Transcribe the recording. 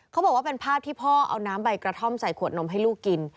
เขาบอกว่าเป็นภาพที่พ่อเอาน้ำใบกระท่อมใส่ขวดนมให้ลูกกิน